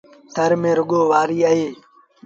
ٿر ميݩ رڳو وآريٚ اهي۔